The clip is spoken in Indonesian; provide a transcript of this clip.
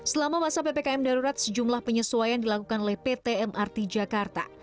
selama masa ppkm darurat sejumlah penyesuaian dilakukan oleh pt mrt jakarta